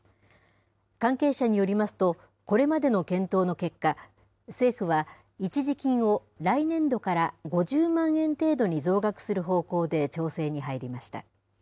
関係者によりますと、これまでの検討の結果、政府は、一時金を来年度から５０万円程度に増額する方向で調整に入りました。